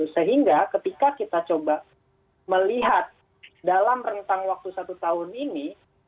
sehingga ketika kita coba melihat dalam rentang waktu satu tahun ini